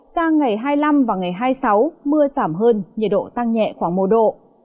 sang ngày hai mươi năm và ngày hai mươi sáu mưa giảm hơn nhiệt độ tăng nhẹ khoảng một độ